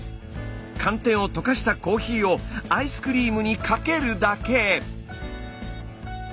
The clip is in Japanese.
寒天を溶かしたコーヒーをアイスクリームにかけるだけ！